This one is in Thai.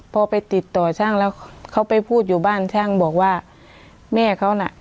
พอไปติดต่อช่างแล้วเขาไปพูดอยู่บ้านช่างบอกว่าแม่เขาน่ะ